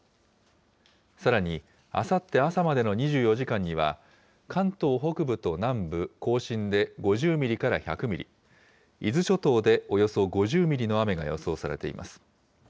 さらに、あさって朝までの２４時間には、関東北部と南部、甲信で５０ミリから１００ミリ、伊豆諸島でおよそ５０ミリの雨が予想されています。